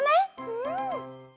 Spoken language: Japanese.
うん。